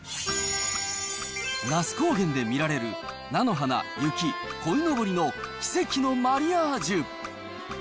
那須高原で見られる菜の花、雪、こいのぼりの奇跡のマリアージュ。